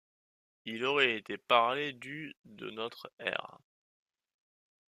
Il aurait été parlé du de notre ère.